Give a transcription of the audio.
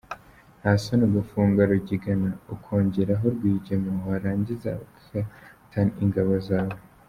Nta soni ugafunga Rugigana ukongeraho Rwigema, warangiza ukarata ingabo zawe!